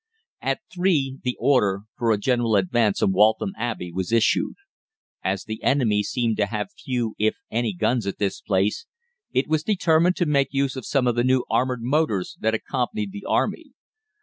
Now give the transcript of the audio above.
"At three the order for a general advance on Waltham Abbey was issued. As the enemy seemed to have few, if any, guns at this place, it was determined to make use of some of the new armoured motors that accompanied the Army.